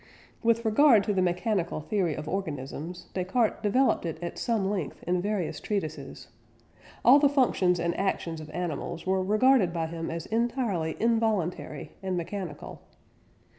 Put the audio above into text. With regard to the mechanical theory of organisms, Descartes developed it at some length in various treatises. All the functions and actions of animals were regarded by him as entirely involuntary and mechanical.